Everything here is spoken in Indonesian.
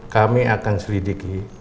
kami akan selidiki